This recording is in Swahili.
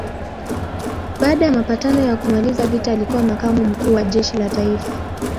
Baada ya mapatano ya kumaliza vita alikuwa makamu wa mkuu wa jeshi la kitaifa.